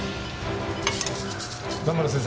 段原先生